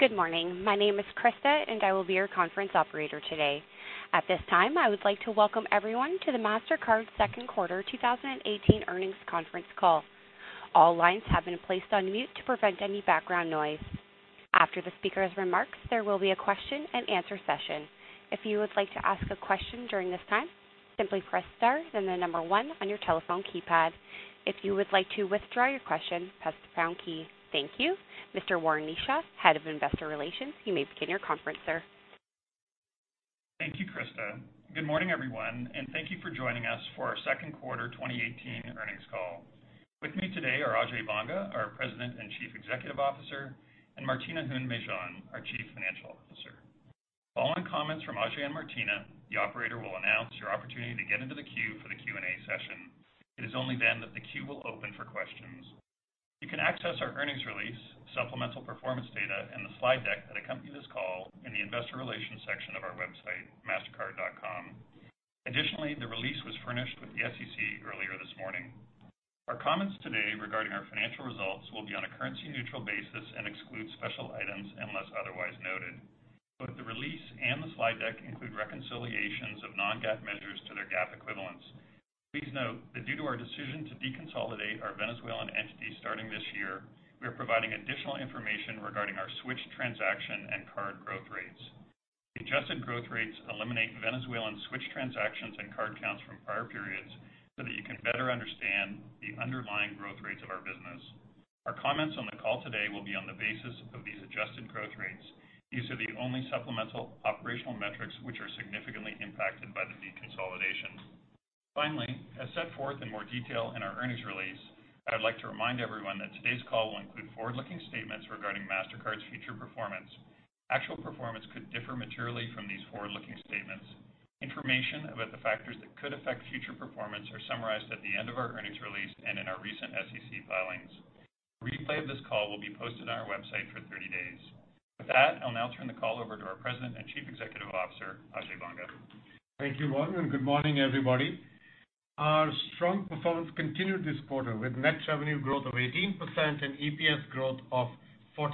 Good morning. My name is Krista, and I will be your conference operator today. At this time, I would like to welcome everyone to the Mastercard second quarter 2018 earnings conference call. All lines have been placed on mute to prevent any background noise. After the speaker's remarks, there will be a question and answer session. If you would like to ask a question during this time, simply press star, then the number one on your telephone keypad. If you would like to withdraw your question, press the pound key. Thank you. Mr. Warren Kneeshaw, Head of Investor Relations, you may begin your conference, sir. Thank you, Krista. Good morning, everyone, and thank you for joining us for our second quarter 2018 earnings call. With me today are Ajay Banga, our President and Chief Executive Officer, and Martina Hund-Mejean, our Chief Financial Officer. Following comments from Ajay and Martina, the operator will announce your opportunity to get into the queue for the Q&A session. It is only then that the queue will open for questions. You can access our earnings release, supplemental performance data, and the slide deck that accompany this call in the investor relations section of our website, mastercard.com. Additionally, the release was furnished with the SEC earlier this morning. Our comments today regarding our financial results will be on a currency-neutral basis and exclude special items unless otherwise noted. Both the release and the slide deck include reconciliations of non-GAAP measures to their GAAP equivalents. Please note that due to our decision to deconsolidate our Venezuelan entities starting this year, we are providing additional information regarding our switch transaction and card growth rates. The adjusted growth rates eliminate Venezuelan switch transactions and card counts from prior periods so that you can better understand the underlying growth rates of our business. Our comments on the call today will be on the basis of these adjusted growth rates. These are the only supplemental operational metrics which are significantly impacted by the deconsolidations. Finally, as set forth in more detail in our earnings release, I would like to remind everyone that today's call will include forward-looking statements regarding Mastercard's future performance. Actual performance could differ materially from these forward-looking statements. Information about the factors that could affect future performance are summarized at the end of our earnings release and in our recent SEC filings. A replay of this call will be posted on our website for 30 days. With that, I'll now turn the call over to our President and Chief Executive Officer, Ajay Banga. Thank you, Warren, and good morning, everybody. Our strong performance continued this quarter with net revenue growth of 18% and EPS growth of 48%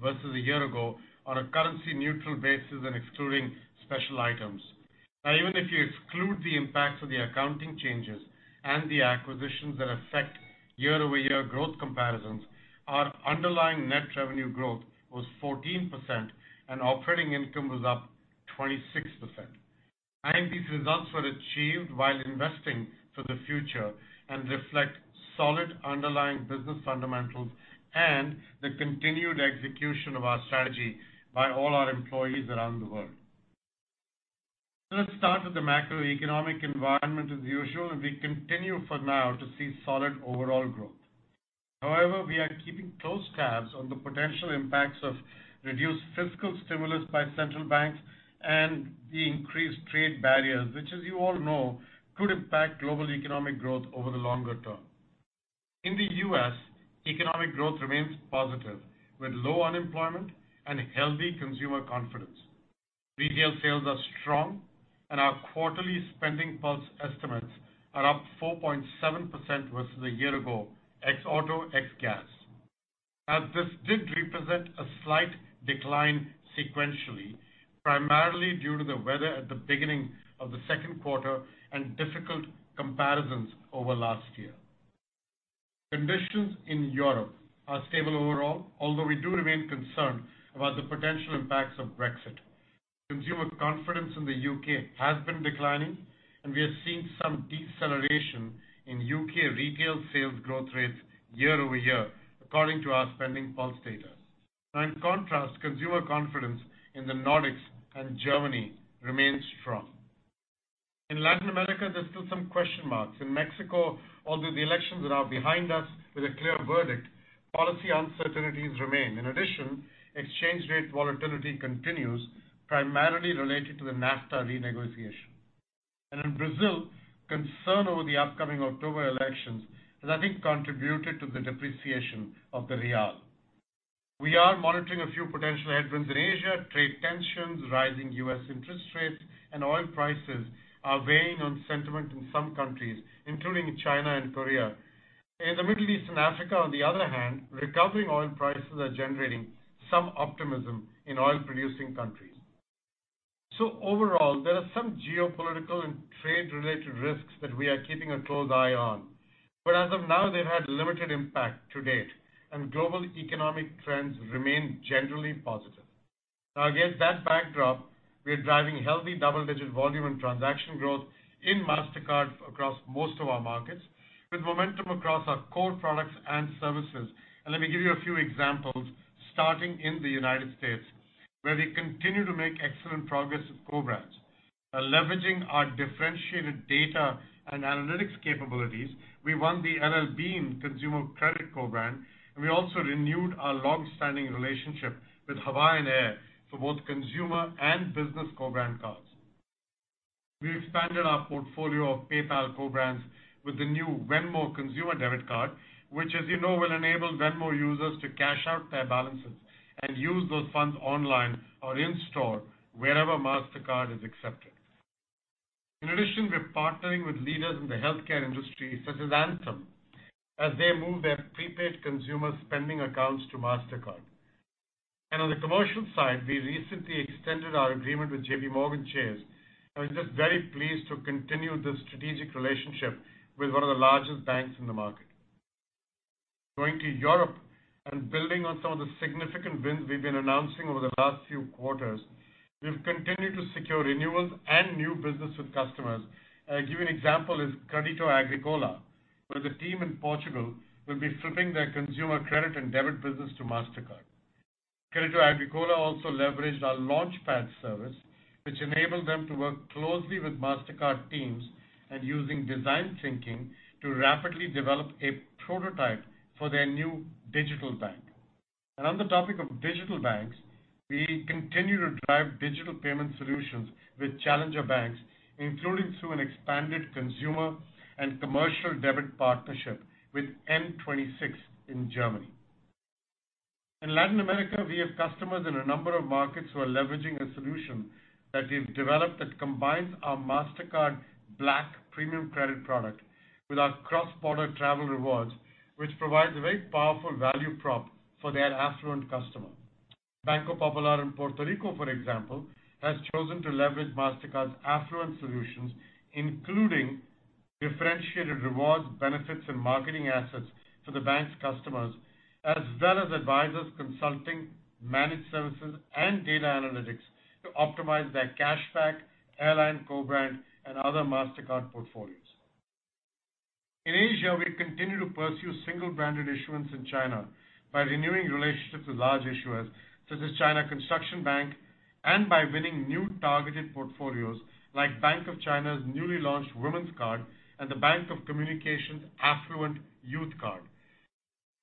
versus a year ago on a currency-neutral basis and excluding special items. Even if you exclude the impacts of the accounting changes and the acquisitions that affect year-over-year growth comparisons, our underlying net revenue growth was 14% and operating income was up 26%. These results were achieved while investing for the future and reflect solid underlying business fundamentals and the continued execution of our strategy by all our employees around the world. Let's start with the macroeconomic environment as usual. We continue for now to see solid overall growth. We are keeping close tabs on the potential impacts of reduced fiscal stimulus by central banks and the increased trade barriers, which as you all know, could impact global economic growth over the longer term. In the U.S., economic growth remains positive with low unemployment and healthy consumer confidence. Retail sales are strong, and our quarterly spending pulse estimates are up 4.7% versus a year ago ex auto, ex gas. This did represent a slight decline sequentially, primarily due to the weather at the beginning of the second quarter and difficult comparisons over last year. Conditions in Europe are stable overall, although we do remain concerned about the potential impacts of Brexit. Consumer confidence in the U.K. has been declining. We are seeing some deceleration in U.K. retail sales growth rates year-over-year according to our spending pulse data. In contrast, consumer confidence in the Nordics and Germany remains strong. In Latin America, there are still some question marks. In Mexico, although the elections are now behind us with a clear verdict, policy uncertainties remain. In addition, exchange rate volatility continues, primarily related to the NAFTA renegotiation. In Brazil, concern over the upcoming October elections has, I think, contributed to the depreciation of the real. We are monitoring a few potential headwinds in Asia. Trade tensions, rising U.S. interest rates, and oil prices are weighing on sentiment in some countries, including China and Korea. In the Middle East and Africa, on the other hand, recovering oil prices are generating some optimism in oil-producing countries. Overall, there are some geopolitical and trade-related risks that we are keeping a close eye on. As of now, they've had limited impact to date. Global economic trends remain generally positive. Against that backdrop, we are driving healthy double-digit volume and transaction growth in Mastercard across most of our markets, with momentum across our core products and services. Let me give you a few examples, starting in the United States, where we continue to make excellent progress with co-brands. By leveraging our differentiated data and analytics capabilities, we won the L.L.Bean consumer credit co-brand, and we also renewed our long-standing relationship with Hawaiian Air for both consumer and business co-brand cards. We expanded our portfolio of PayPal co-brands with the new Venmo consumer debit card, which as you know will enable Venmo users to cash out their balances and use those funds online or in-store wherever Mastercard is accepted. In addition, we're partnering with leaders in the healthcare industry, such as Anthem, as they move their prepaid consumer spending accounts to Mastercard. On the commercial side, we recently extended our agreement with JPMorgan Chase, and we're just very pleased to continue this strategic relationship with one of the largest banks in the market. Going to Europe and building on some of the significant wins we've been announcing over the last few quarters, we've continued to secure renewals and new business with customers. To give you an example, is Crédito Agrícola, where the team in Portugal will be flipping their consumer credit and debit business to Mastercard. Crédito Agrícola also leveraged our Launchpad service, which enabled them to work closely with Mastercard teams and using design thinking to rapidly develop a prototype for their new digital bank. On the topic of digital banks, we continue to drive digital payment solutions with challenger banks, including through an expanded consumer and commercial debit partnership with N26 in Germany. In Latin America, we have customers in a number of markets who are leveraging a solution that we've developed that combines our Mastercard Black premium credit product with our cross-border travel rewards, which provides a very powerful value prop for their affluent customer. Banco Popular in Puerto Rico, for example, has chosen to leverage Mastercard's affluent solutions, including differentiated rewards, benefits, and marketing assets for the bank's customers, as well as advisors, consulting, managed services, and data analytics to optimize their cashback, airline co-brand, and other Mastercard portfolios. In Asia, we continue to pursue single-branded issuance in China by renewing relationships with large issuers such as China Construction Bank and by winning new targeted portfolios like Bank of China's newly launched women's card and the Bank of Communications' affluent youth card.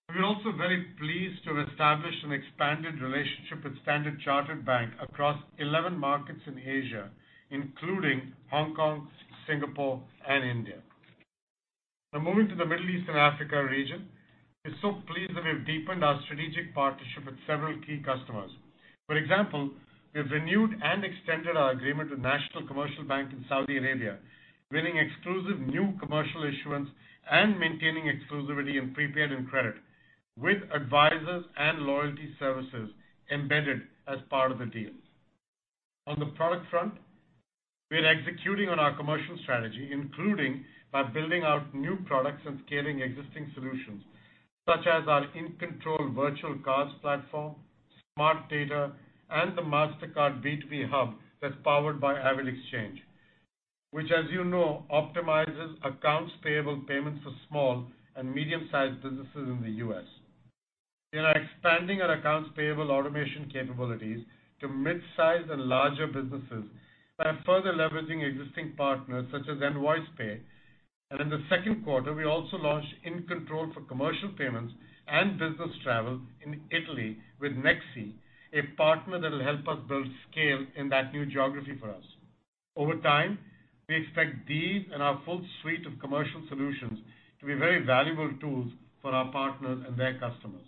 We're also very pleased to have established an expanded relationship with Standard Chartered Bank across 11 markets in Asia, including Hong Kong, Singapore, and India. Moving to the Middle East and Africa region, we're so pleased that we've deepened our strategic partnership with several key customers. For example, we've renewed and extended our agreement with National Commercial Bank in Saudi Arabia, winning exclusive new commercial issuance and maintaining exclusivity in prepaid and credit with advisors and loyalty services embedded as part of the deal. On the product front, we are executing on our commercial strategy, including by building out new products and scaling existing solutions, such as our In Control virtual cards platform, Smart Data, and the Mastercard B2B Hub that's powered by AvidXchange, which, as you know, optimizes accounts payable payments for small and medium-sized businesses in the U.S. We are expanding our accounts payable automation capabilities to midsize and larger businesses by further leveraging existing partners such as InvoicePay. In the second quarter, we also launched In Control for commercial payments and business travel in Italy with Nexi, a partner that'll help us build scale in that new geography for us. Over time, we expect these and our full suite of commercial solutions to be very valuable tools for our partners and their customers.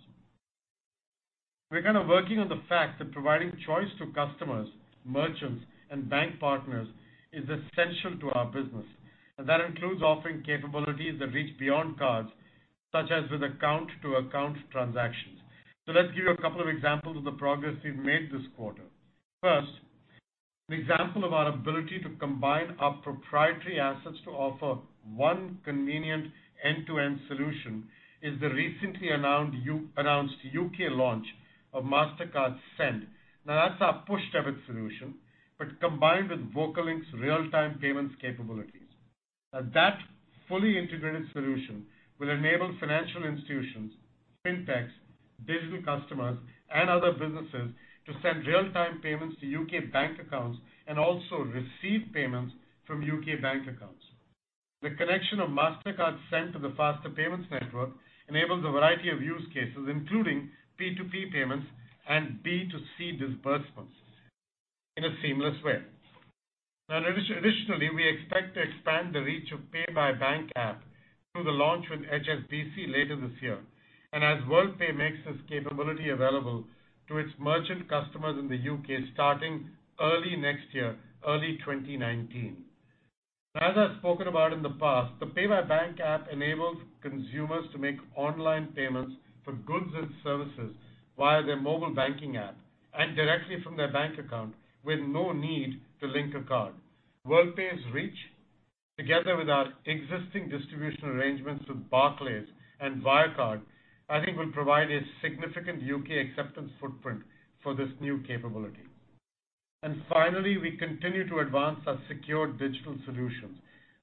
We are kind of working on the fact that providing choice to customers, merchants, and bank partners is essential to our business, and that includes offering capabilities that reach beyond cards, such as with account-to-account transactions. Let's give you a couple of examples of the progress we have made this quarter. First, an example of our ability to combine our proprietary assets to offer one convenient end-to-end solution is the recently announced U.K. launch of Mastercard Send. That is our push debit solution, but combined with VocaLink's real-time payments capabilities. That fully integrated solution will enable financial institutions, fintechs, digital customers, and other businesses to send real-time payments to U.K. bank accounts and also receive payments from U.K. bank accounts. The connection of Mastercard Send to the Faster Payments network enables a variety of use cases, including P2P payments and B2C disbursements in a seamless way. Additionally, we expect to expand the reach of Pay by Bank app through the launch with HSBC later this year, and as Worldpay makes this capability available to its merchant customers in the U.K. starting early next year, early 2019. As I have spoken about in the past, the Pay by Bank app enables consumers to make online payments for goods and services via their mobile banking app and directly from their bank account with no need to link a card. Worldpay's reach, together with our existing distribution arrangements with Barclays and ViAcard , I think will provide a significant U.K. acceptance footprint for this new capability. Finally, we continue to advance our secure digital solutions.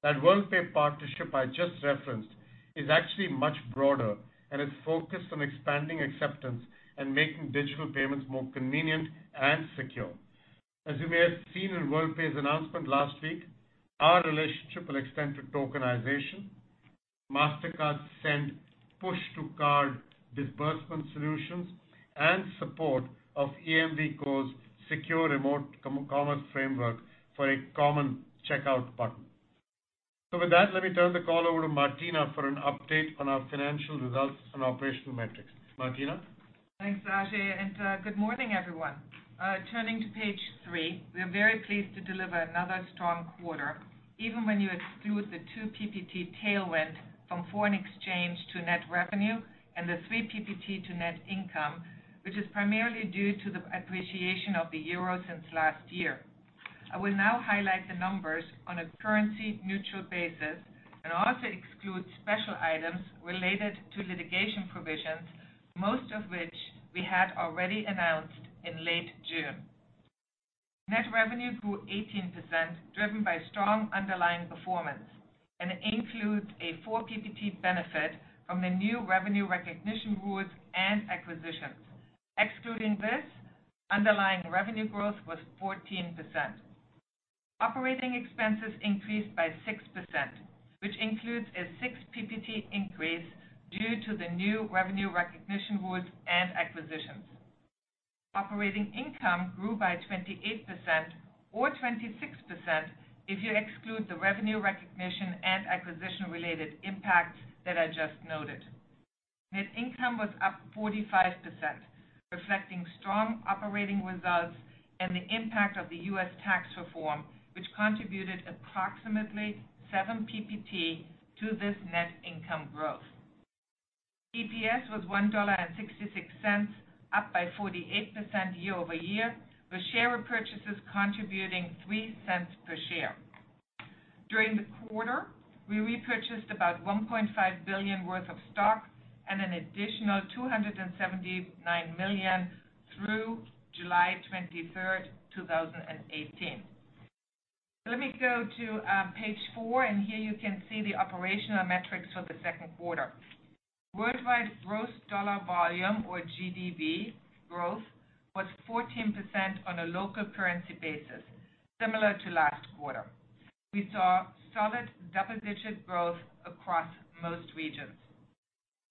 That Worldpay partnership I just referenced is actually much broader and is focused on expanding acceptance and making digital payments more convenient and secure. As you may have seen in Worldpay's announcement last week, our relationship will extend to tokenization, Mastercard Send push-to-card disbursement solutions, and support of EMVCo's Secure Remote Commerce framework for a common checkout button. With that, let me turn the call over to Martina for an update on our financial results and operational metrics. Martina? Thanks, Ajay, and good morning, everyone. Turning to page three, we are very pleased to deliver another strong quarter, even when you exclude the two PPT tailwind from foreign exchange to net revenue and the three PPT to net income, which is primarily due to the appreciation of the euro since last year. I will now highlight the numbers on a currency-neutral basis and also exclude special items related to litigation provisions, most of which we had already announced in late June. Net revenue grew 18%, driven by strong underlying performance and includes a four PPT benefit from the new revenue recognition rules and acquisitions. Excluding this, underlying revenue growth was 14%. Operating expenses increased by 6%, which includes a six PPT increase due to the new revenue recognition rules and acquisitions. Operating income grew by 28%, or 26% if you exclude the revenue recognition and acquisition-related impacts that I just noted. Net income was up 45%, reflecting strong operating results and the impact of the U.S. tax reform, which contributed approximately seven PPT to this net income growth. EPS was $1.66, up by 48% year-over-year, with share repurchases contributing $0.03 per share. During the quarter, we repurchased about $1.5 billion worth of stock and an additional $279 million through July 23rd, 2018. Let me go to page four, and here you can see the operational metrics for the second quarter. Worldwide gross dollar volume or GDV growth was 14% on a local currency basis, similar to last quarter. We saw solid double-digit growth across most regions.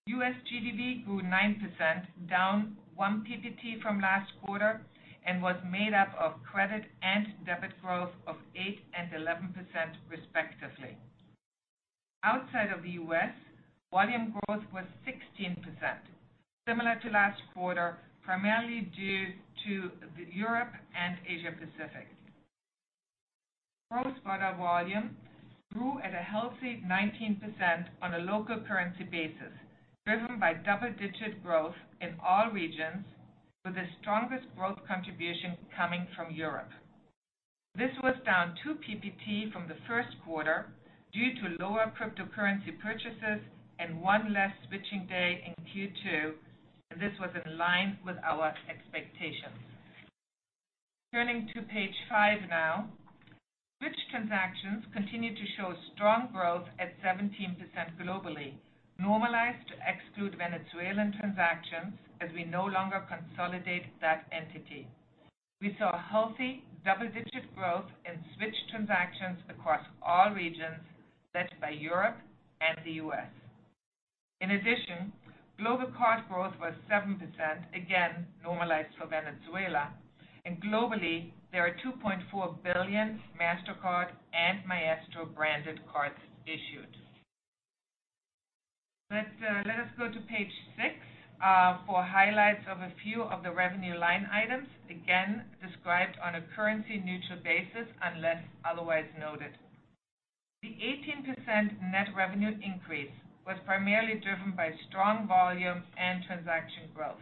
U.S. GDV grew 9%, down one PPT from last quarter, and was made up of credit and debit growth of 8% and 11% respectively. Outside of the U.S., volume growth was 16%, similar to last quarter, primarily due to Europe and Asia Pacific. Cross-border volume grew at a healthy 19% on a local currency basis, driven by double-digit growth in all regions, with the strongest growth contribution coming from Europe. This was down two PPT from the first quarter due to lower cryptocurrency purchases and one less switching day in Q2, and this was in line with our expectations. Turning to page five now. Switch transactions continued to show strong growth at 17% globally, normalized to exclude Venezuelan transactions as we no longer consolidate that entity. We saw healthy double-digit growth in switch transactions across all regions, led by Europe and the U.S. In addition, global card growth was 7%, again normalized for Venezuela, and globally, there are 2.4 billion Mastercard and Maestro-branded cards issued. Let us go to page six for highlights of a few of the revenue line items, again described on a currency-neutral basis unless otherwise noted. The 18% net revenue increase was primarily driven by strong volume and transaction growth,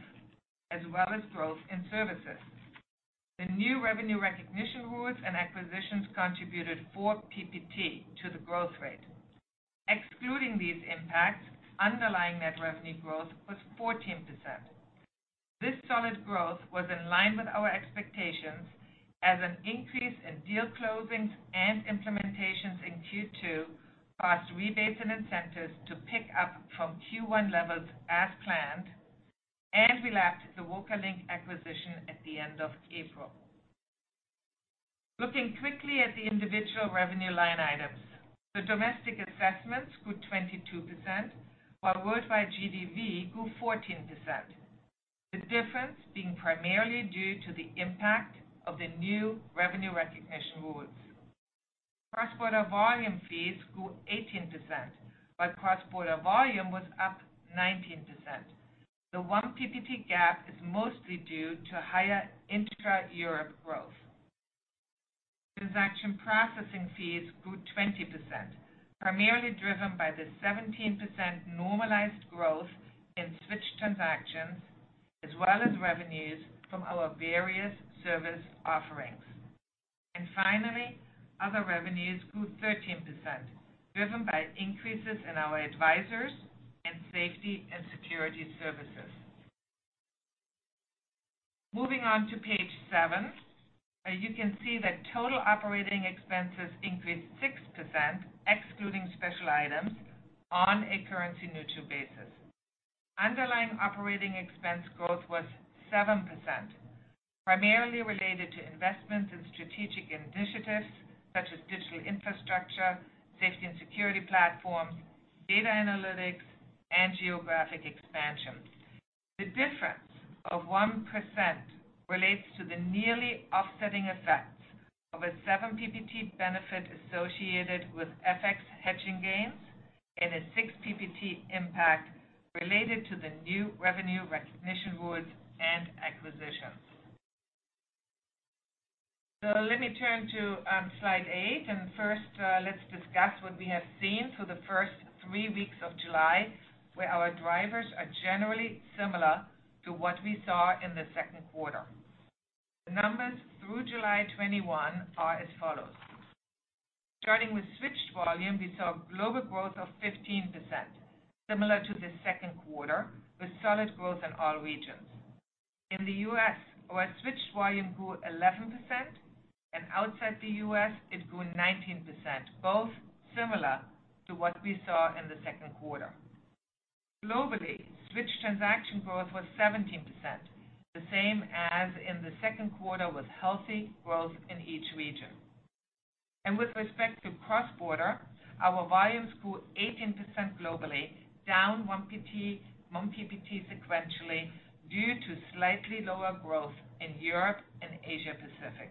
as well as growth in services. The new revenue recognition rules and acquisitions contributed four PPT to the growth rate. Excluding these impacts, underlying net revenue growth was 14%. This solid growth was in line with our expectations as an increase in deal closings and implementations in Q2 caused rebates and incentives to pick up from Q1 levels as planned and reflected the VocaLink acquisition at the end of April. Looking quickly at the individual revenue line items, the domestic assessments grew 22%, while worldwide GDV grew 14%. The difference being primarily due to the impact of the new revenue recognition rules. Cross-border volume fees grew 18%, while cross-border volume was up 19%. The one PPT gap is mostly due to higher intra-Europe growth. Transaction processing fees grew 20%, primarily driven by the 17% normalized growth in switch transactions, as well as revenues from our various service offerings. Finally, other revenues grew 13%, driven by increases in our Advisors and Safety and Security services. Moving on to page seven, you can see that total operating expenses increased 6%, excluding special items, on a currency-neutral basis. Underlying operating expense growth was 7%, primarily related to investments in strategic initiatives such as digital infrastructure, safety and security platforms, data analytics, and geographic expansion. The difference of 1% relates to the nearly offsetting effects of a seven PPT benefit associated with FX hedging gains and a six PPT impact related to the new revenue recognition rules and acquisitions. Let me turn to slide eight, and first, let's discuss what we have seen for the first three weeks of July, where our drivers are generally similar to what we saw in the second quarter. The numbers through July 21 are as follows. Starting with switched volume, we saw global growth of 15%, similar to the second quarter, with solid growth in all regions. In the U.S., our switched volume grew 11%, and outside the U.S., it grew 19%, both similar to what we saw in the second quarter. Globally, switched transaction growth was 17%, the same as in the second quarter, with healthy growth in each region. With respect to cross-border, our volumes grew 18% globally, down one PPT sequentially due to slightly lower growth in Europe and Asia Pacific.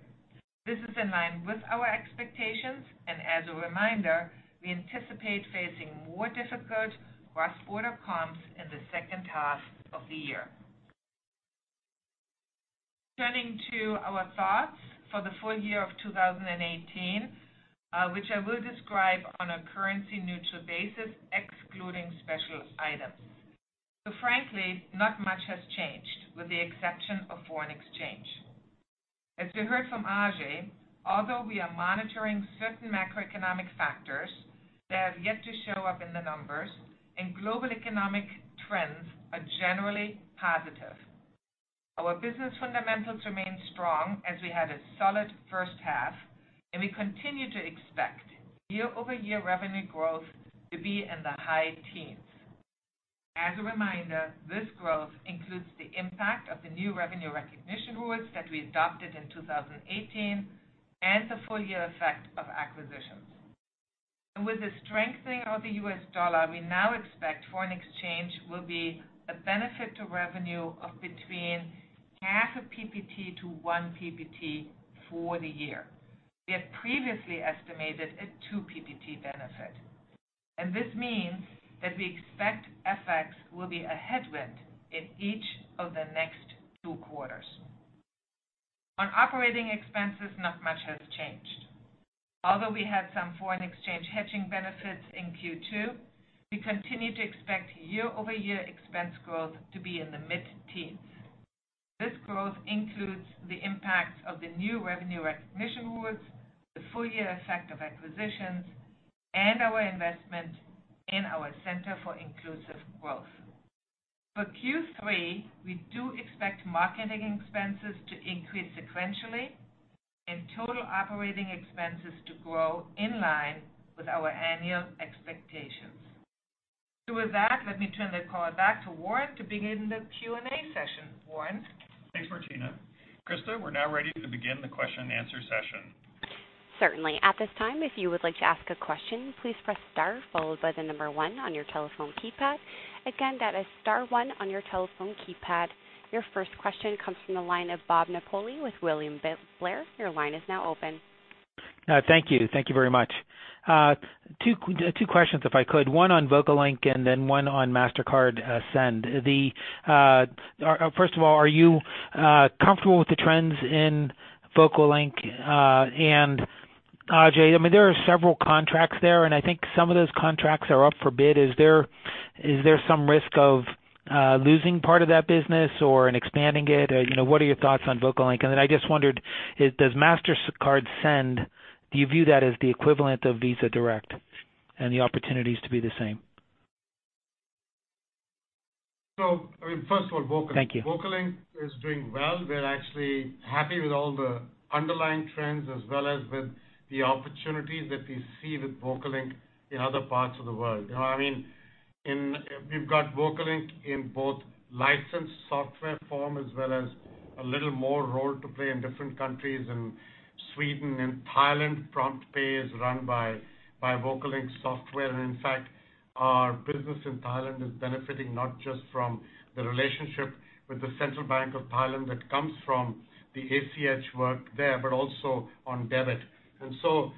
This is in line with our expectations, and as a reminder, we anticipate facing more difficult cross-border comps in the second half of the year. Turning to our thoughts for the full year of 2018, which I will describe on a currency-neutral basis, excluding special items. Frankly, not much has changed, with the exception of foreign exchange. As we heard from Ajay, although we are monitoring certain macroeconomic factors, they have yet to show up in the numbers, and global economic trends are generally positive. Our business fundamentals remain strong as we had a solid first half, and we continue to expect year-over-year revenue growth to be in the high teens. As a reminder, this growth includes the impact of the new revenue recognition rules that we adopted in 2018 and the full-year effect of acquisitions. With the strengthening of the U.S. dollar, we now expect foreign exchange will be a benefit to revenue of between half a PPT to one PPT for the year. We had previously estimated a two PPT benefit. This means that we expect FX will be a headwind in each of the next two quarters. On operating expenses, not much has changed. Although we had some foreign exchange hedging benefits in Q2, we continue to expect year-over-year expense growth to be in the mid-teens. This growth includes the impact of the new revenue recognition rules, the full-year effect of acquisitions, and our investment in our Center for Inclusive Growth. For Q3, we do expect marketing expenses to increase sequentially and total operating expenses to grow in line with our annual expectations. With that, let me turn the call back to Warren to begin the Q&A session. Warren? Thanks, Martina. Krista, we are now ready to begin the question and answer session. Certainly. At this time, if you would like to ask a question, please press star followed by the number 1 on your telephone keypad. Again, that is star 1 on your telephone keypad. Your first question comes from the line of Bob Napoli with William Blair. Your line is now open. Thank you. Thank you very much. Two questions if I could, one on VocaLink and then one on Mastercard Send. First of all, are you comfortable with the trends in VocaLink? Ajay, there are several contracts there, and I think some of those contracts are up for bid. Is there some risk of losing part of that business or in expanding it? What are your thoughts on VocaLink? Then I just wondered, does Mastercard Send, do you view that as the equivalent of Visa Direct and the opportunities to be the same? First of all, VocaLink. Thank you. VocaLink is doing well. We're actually happy with all the underlying trends as well as with the opportunities that we see with VocaLink in other parts of the world. We've got VocaLink in both licensed software form as well as a little more role to play in different countries. In Sweden and Thailand, PromptPay is run by VocaLink software. In fact, our business in Thailand is benefiting not just from the relationship with the Central Bank of Thailand that comes from the ACH work there, but also on debit. So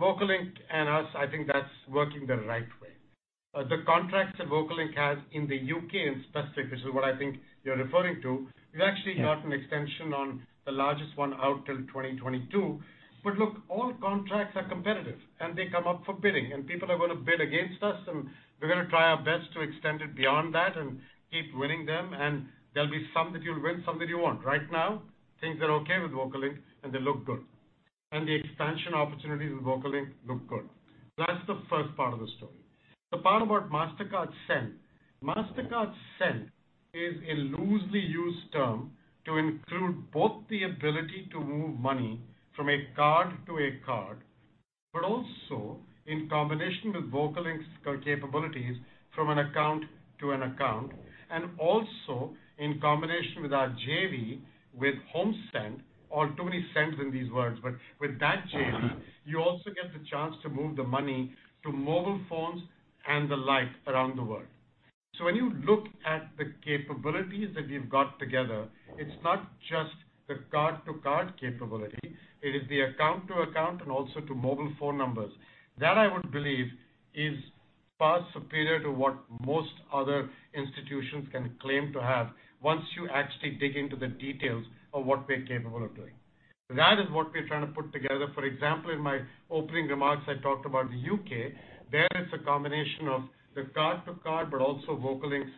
VocaLink and us, I think that's working the right way. The contracts that VocaLink has in the U.K. in specific, which is what I think you're referring to, we've actually got an extension on the largest one out till 2022. Look, all contracts are competitive, and they come up for bidding, and people are going to bid against us, and we're going to try our best to extend it beyond that and keep winning them. There'll be some that you'll win, some that you won't. Right now, things are okay with VocaLink, and they look good. The expansion opportunities with VocaLink look good. That's the first part of the story. The part about Mastercard Send. Mastercard Send is a loosely used term to include both the ability to move money from a card to a card, but also in combination with VocaLink's capabilities from an account to an account. In combination with our JV with HomeSend, or too many sends in these words. With that JV, you also get the chance to move the money to mobile phones and the like around the world. When you look at the capabilities that we've got together, it's not just the card-to-card capability, it is the account-to-account, and also to mobile phone numbers. That, I would believe, is far superior to what most other institutions can claim to have once you actually dig into the details of what we're capable of doing. That is what we're trying to put together. For example, in my opening remarks, I talked about the U.K. There it's a combination of the card-to-card, but also VocaLink's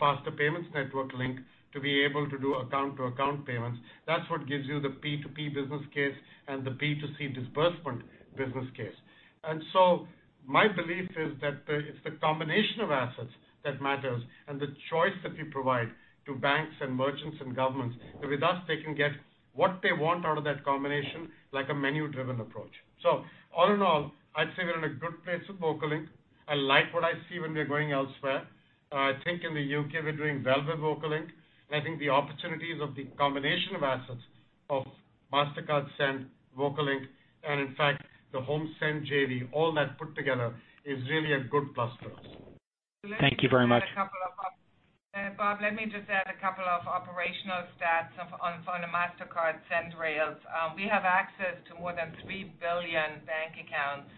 Faster Payments network link to be able to do account-to-account payments. That's what gives you the P2P business case and the P2C disbursement business case. My belief is that it's the combination of assets that matters and the choice that we provide to banks and merchants and governments. With us, they can get what they want out of that combination, like a menu-driven approach. All in all, I'd say we're in a good place with VocaLink. I like what I see when we are going elsewhere. I think in the U.K. we're doing well with VocaLink, and I think the opportunities of the combination of assets of Mastercard Send, VocaLink, and in fact the HomeSend JV, all that put together is really a good plus for us. Thank you very much. Bob, let me just add a couple of operational stats on the Mastercard Send rails. We have access to more than 3 billion bank accounts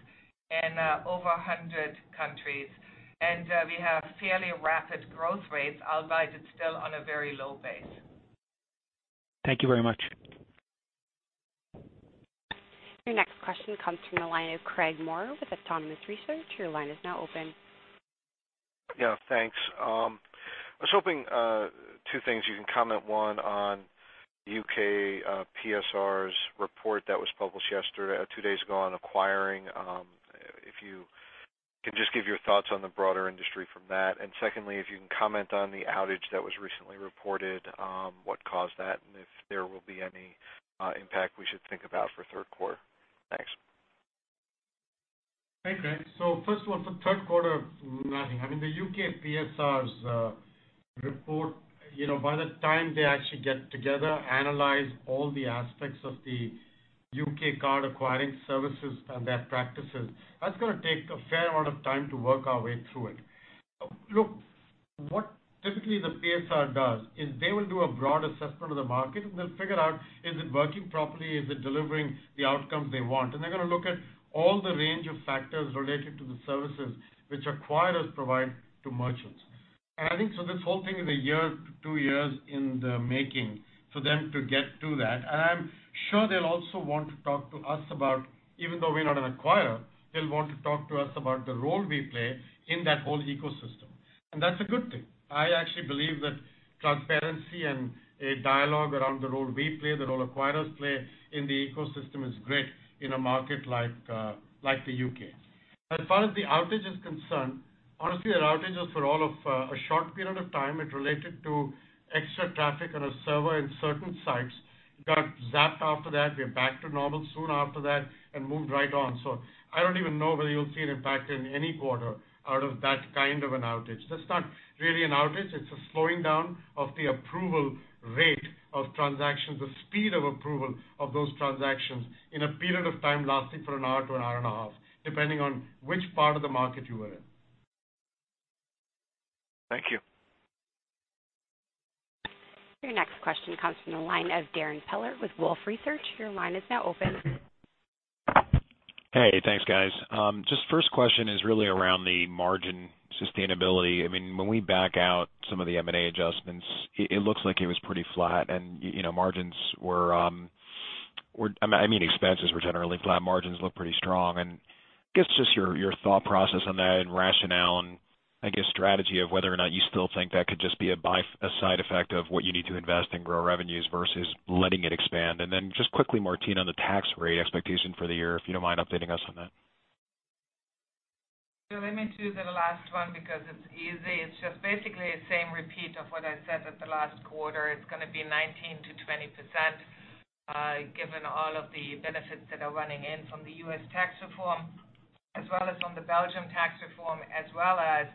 in over 100 countries. We have fairly rapid growth rates, albeit it's still on a very low base. Thank you very much. Your next question comes from the line of Craig Maurer with Autonomous Research. Your line is now open. Yeah, thanks. I was hoping two things you can comment on, one on U.K. PSR's report that was published two days ago on acquiring. If you can just give your thoughts on the broader industry from that. Secondly, if you can comment on the outage that was recently reported, what caused that, and if there will be any impact we should think about for third quarter. Thanks. Hey, Craig. First of all, for third quarter, nothing. I mean, the U.K. PSR's report, by the time they actually get together, analyze all the aspects of the U.K. card acquiring services and their practices, that's going to take a fair amount of time to work our way through it. Look, what typically the PSR does is they will do a broad assessment of the market, and they'll figure out is it working properly, is it delivering the outcomes they want. They're going to look at all the range of factors related to the services which acquirers provide to merchants. I think this whole thing is a year to two years in the making for them to get to that. I'm sure they'll also want to talk to us about, even though we're not an acquirer, they'll want to talk to us about the role we play in that whole ecosystem. That's a good thing. I actually believe that transparency and a dialogue around the role we play, the role acquirers play in the ecosystem is great in a market like the U.K. As far as the outage is concerned, honestly, that outage was for all of a short period of time. It related to extra traffic on a server in certain sites. It got zapped after that. We're back to normal soon after that and moved right on. I don't even know whether you'll see an impact in any quarter out of that kind of an outage. That's not really an outage. It's a slowing down of the approval rate of transactions, the speed of approval of those transactions in a period of time lasting for an hour to an hour and a half, depending on which part of the market you were in. Thank you. Your next question comes from the line of Darrin Peller with Wolfe Research. Your line is now open. Hey, thanks guys. First question is really around the margin sustainability. When we back out some of the M&A adjustments, it looks like it was pretty flat, expenses were generally flat. Margins look pretty strong. I guess just your thought process on that and rationale and I guess strategy of whether or not you still think that could just be a side effect of what you need to invest and grow revenues versus letting it expand. Just quickly, Martina, the tax rate expectation for the year, if you don't mind updating us on that. Let me do the last one because it's easy. It's just basically the same repeat of what I said at the last quarter. It's going to be 19%-20%, given all of the benefits that are running in from the U.S. tax reform, as well as from the Belgium tax reform, as well as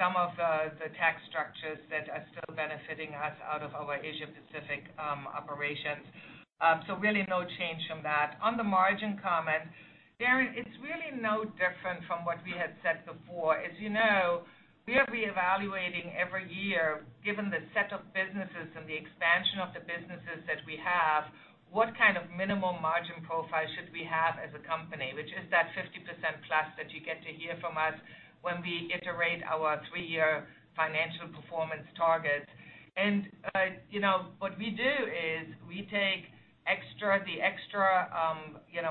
some of the tax structures that are still benefiting us out of our Asia-Pacific operations. Really no change from that. On the margin comment, Darrin, it's really no different from what we had said before. As you know, we are reevaluating every year, given the set of businesses and the expansion of the businesses that we have, what kind of minimum margin profile should we have as a company, which is that 50%+ that you get to hear from us when we iterate our three-year financial performance target. What we do is we take the extra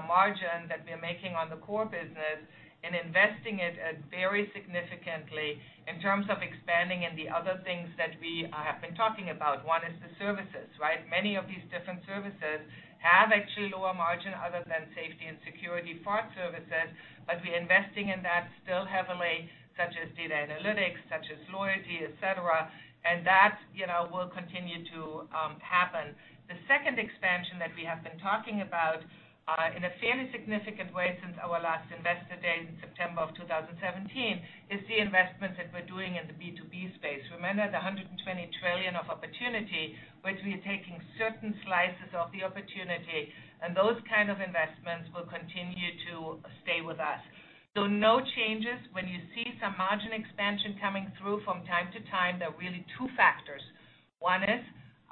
margin that we are making on the core business and investing it very significantly in terms of expanding in the other things that we have been talking about. One is the services, right? Many of these different services have actually lower margin other than safety and security for services. We're investing in that still heavily, such as data analytics, such as loyalty, et cetera. That will continue to happen. The second expansion that we have been talking about, in a fairly significant way since our last investor day in September of 2017, is the investments that we're doing in the B2B space. Remember the $120 trillion of opportunity, which we are taking certain slices of the opportunity, and those kind of investments will continue to stay with us. No changes. When you see some margin expansion coming through from time to time, there are really two factors. One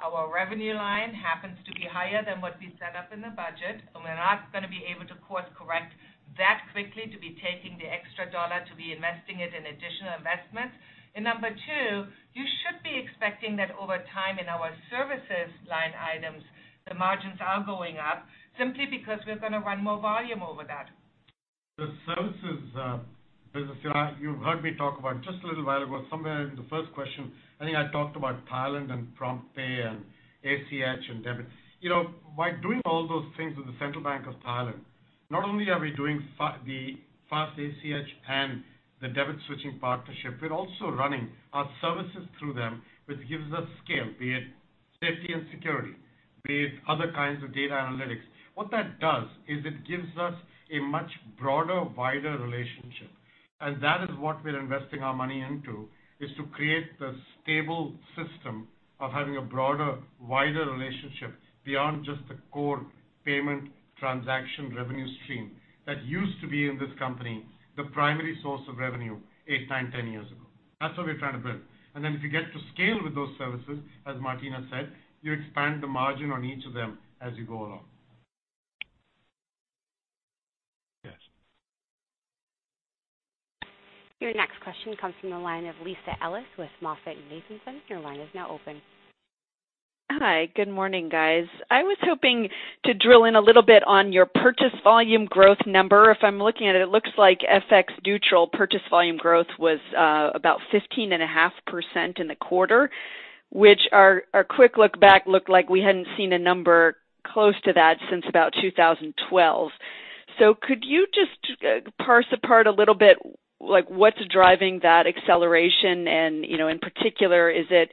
is our revenue line happens to be higher than what we set up in the budget, and we're not going to be able to course-correct that quickly to be taking the extra $ to be investing it in additional investment. Number two, you should be expecting that over time in our services line items, the margins are going up simply because we're going to run more volume over that. The services business, you heard me talk about just a little while ago, somewhere in the first question, I think I talked about Thailand and PromptPay and ACH and debit. By doing all those things with the Bank of Thailand, not only are we doing the fast ACH and the debit switching partnership, we're also running our services through them, which gives us scale, be it safety and security, be it other kinds of data analytics. What that does is it gives us a much broader, wider relationship. That is what we're investing our money into, is to create this stable system of having a broader, wider relationship beyond just the core payment transaction revenue stream that used to be in this company, the primary source of revenue eight, nine, 10 years ago. That's what we're trying to build. If you get to scale with those services, as Martina said, you expand the margin on each of them as you go along. Yes. Your next question comes from the line of Lisa Ellis with MoffettNathanson. Your line is now open. Hi, good morning, guys. I was hoping to drill in a little bit on your purchase volume growth number. If I'm looking at it looks like FX neutral purchase volume growth was about 15.5% in the quarter, which our quick look back looked like we hadn't seen a number close to that since about 2012. Could you just parse apart a little bit what's driving that acceleration and, in particular, is this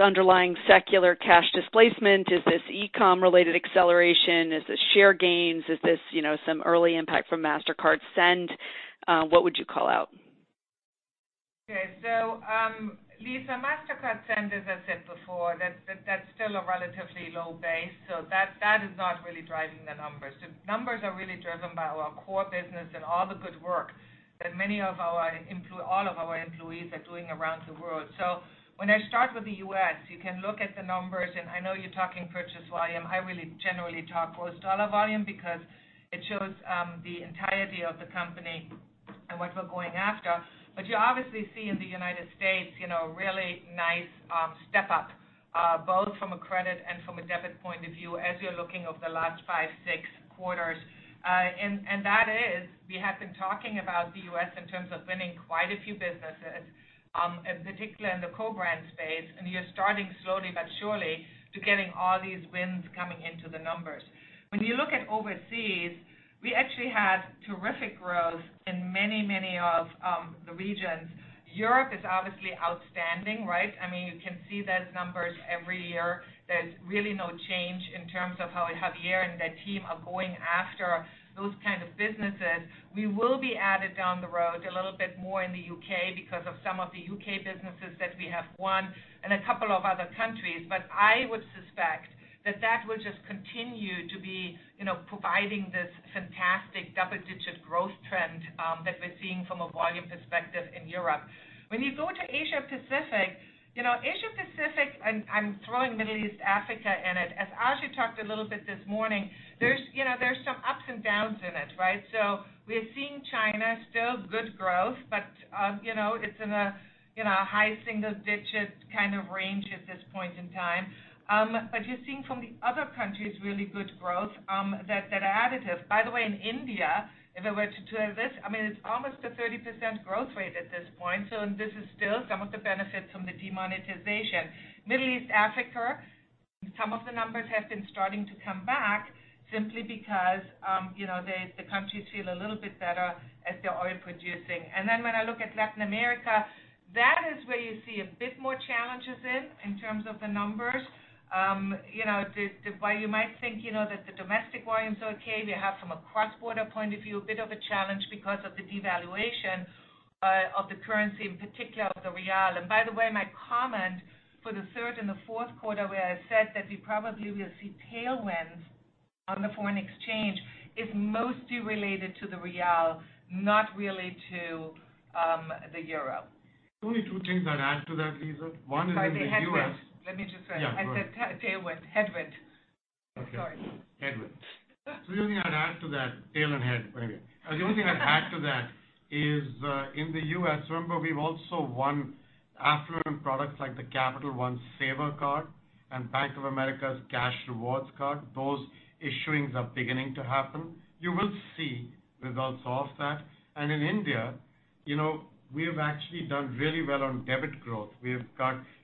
underlying secular cash displacement? Is this e-com related acceleration? Is this share gains? Is this some early impact from Mastercard Send? What would you call out? Lisa, Mastercard Send, as I said before, that's still a relatively low base, so that is not really driving the numbers. The numbers are really driven by our core business and all the good work that all of our employees are doing around the world. When I start with the U.S., you can look at the numbers, and I know you're talking purchase volume. I really generally talk gross dollar volume because it shows the entirety of the company and what we're going after. You obviously see in the United States really nice step-up both from a credit and from a debit point of view as you're looking over the last five, six quarters. That is, we have been talking about the U.S. in terms of winning quite a few businesses, in particular in the co-brand space, and you're starting slowly but surely to getting all these wins coming into the numbers. You look at overseas, we actually had terrific growth in many of the regions. Europe is obviously outstanding, right? You can see those numbers every year. There's really no change in terms of how Javier and the team are going after those kind of businesses. We will be added down the road a little bit more in the U.K. because of some of the U.K. businesses that we have won and a couple of other countries. I would suspect that that will just continue to be providing this fantastic double-digit growth trend that we're seeing from a volume perspective in Europe. You go to Asia-Pacific, I'm throwing Middle East Africa in it. As Ajay talked a little bit this morning, there's some ups and downs in it, right? We're seeing China still good growth, but it's in a high single-digit kind of range at this point in time. You're seeing from the other countries really good growth that additive. By the way, in India, if I were to do this, it's almost a 30% growth rate at this point. This is still some of the benefits from the demonetization. Middle East, Africa, some of the numbers have been starting to come back simply because the countries feel a little bit better as they're oil producing. I look at Latin America, that is where you see a bit more challenges in terms of the numbers. While you might think that the domestic volume is okay, we have from a cross-border point of view, a bit of a challenge because of the devaluation of the currency, in particular of the real. By the way, my comment for the third and the fourth quarter where I said that we probably will see tailwinds on the foreign exchange is mostly related to the real, not really to the euro. Only two things I'd add to that, Lisa. Sorry, the headwind. Let me just Yeah, go ahead. I said tailwind. Headwind. Sorry. Okay. Headwind. The only thing I'd add to that tail and head, anyway. The only thing I'd add to that is in the U.S., remember we've also won affluent products like the Capital One Savor Card and Bank of America's Cash Rewards card. Those issuing are beginning to happen. You will see results of that. In India, we have actually done really well on debit growth.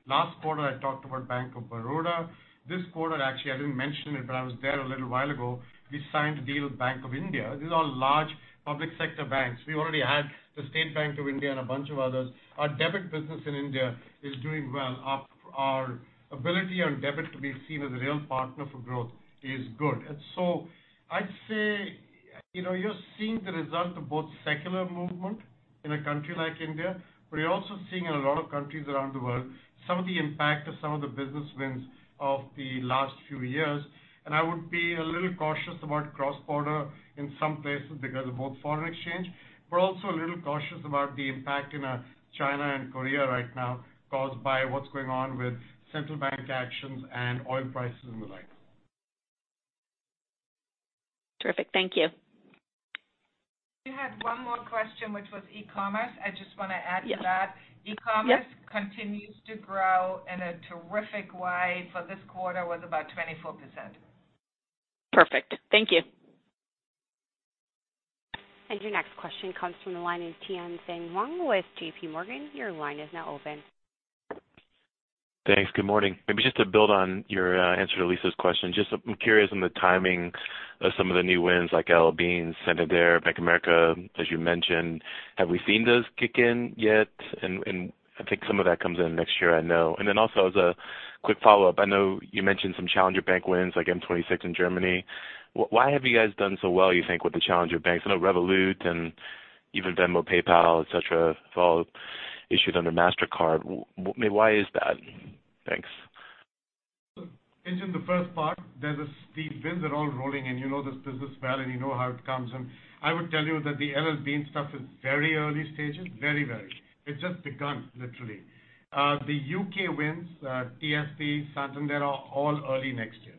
Last quarter, I talked about Bank of Baroda. This quarter, actually, I didn't mention it, but I was there a little while ago. We signed a deal with Bank of India. These are large public sector banks. We already had the State Bank of India and a bunch of others. Our debit business in India is doing well. Our ability on debit to be seen as a real partner for growth is good. I'd say You're seeing the result of both secular movement in a country like India, but you're also seeing in a lot of countries around the world some of the impact of some of the business wins of the last few years. I would be a little cautious about cross-border in some places because of both foreign exchange, but also a little cautious about the impact in China and Korea right now caused by what's going on with central bank actions and oil prices and the like. Terrific. Thank you. We had one more question, which was e-commerce. I just want to add to that. Yeah. E-commerce continues to grow in a terrific way. For this quarter was about 24%. Perfect. Thank you. Your next question comes from the line of Tien-tsin Huang with J.P. Morgan. Your line is now open. Thanks. Good morning. Maybe just to build on your answer to Lisa's question, I'm curious on the timing of some of the new wins like L.L.Bean, Santander, Bank of America, as you mentioned. Have we seen those kick in yet? I think some of that comes in next year, I know. Also as a quick follow-up, I know you mentioned some challenger bank wins like N26 in Germany. Why have you guys done so well you think with the challenger banks? I know Revolut and even Venmo, PayPal, et cetera, have all issued under Mastercard. Why is that? Thanks. Mentioned the first part. There's the wins are all rolling in. You know this business well, and you know how it comes. I would tell you that the L.L.Bean stuff is very early stages, very. It's just begun literally. The U.K. wins, TSB, Santander, are all early next year.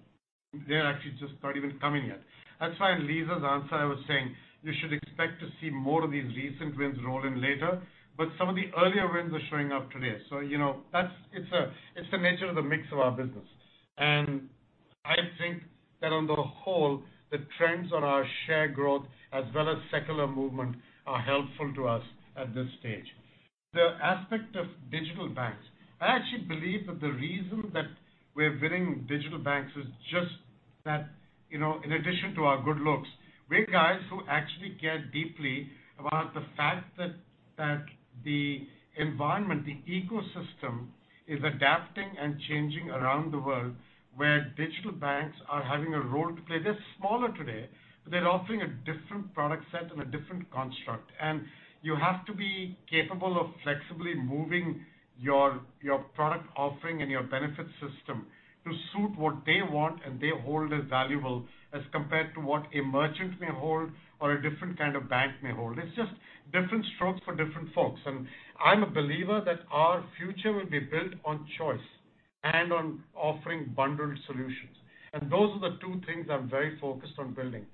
They're actually just not even coming yet. That's why in Lisa's answer, I was saying you should expect to see more of these recent wins roll in later, but some of the earlier wins are showing up today. It's the nature of the mix of our business. I think that on the whole, the trends on our share growth as well as secular movement are helpful to us at this stage. The aspect of digital banks, I actually believe that the reason that we're winning digital banks is just that, in addition to our good looks, we're guys who actually care deeply about the fact that the environment, the ecosystem is adapting and changing around the world, where digital banks are having a role to play. They're smaller today, but they're offering a different product set and a different construct, and you have to be capable of flexibly moving your product offering and your benefit system to suit what they want and they hold as valuable as compared to what a merchant may hold or a different kind of bank may hold. It's just different strokes for different folks. I'm a believer that our future will be built on choice and on offering bundled solutions. Those are the two things I'm very focused on building,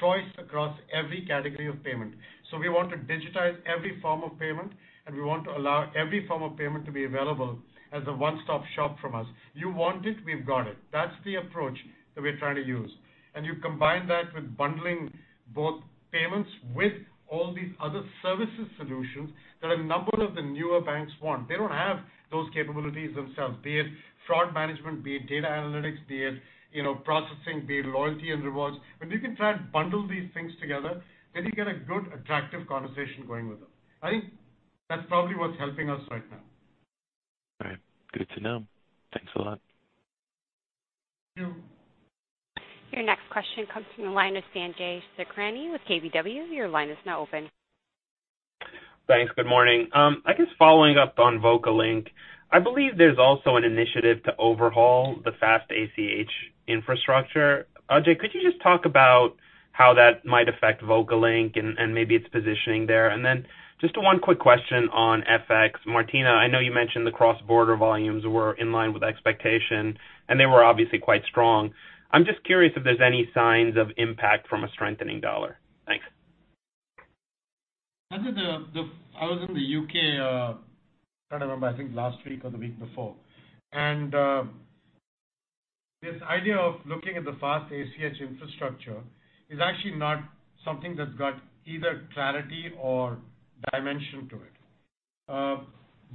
choice across every category of payment. We want to digitize every form of payment, and we want to allow every form of payment to be available as a one-stop shop from us. You want it, we've got it. That's the approach that we're trying to use. You combine that with bundling both payments with all these other services solutions that a number of the newer banks want. They don't have those capabilities themselves, be it fraud management, be it data analytics, be it processing, be it loyalty and rewards. When you can try and bundle these things together, then you get a good, attractive conversation going with them. I think that's probably what's helping us right now. All right. Good to know. Thanks a lot. Thank you. Your next question comes from the line of Sanjay Sakhrani with KBW. Your line is now open. Thanks. Good morning. I guess following up on VocaLink, I believe there's also an initiative to overhaul the Fast ACH infrastructure. Ajay, could you just talk about how that might affect VocaLink and maybe its positioning there? Just one quick question on FX. Martina, I know you mentioned the cross-border volumes were in line with expectation, and they were obviously quite strong. I'm just curious if there's any signs of impact from a strengthening dollar. Thanks. I was in the U.K., trying to remember, I think last week or the week before. This idea of looking at the Fast ACH infrastructure is actually not something that's got either clarity or dimension to it.